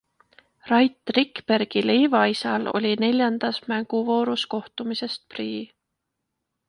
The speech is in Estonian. Rait Rikbergi leivaisal oli neljandas mänguvoorus kohtumisest prii.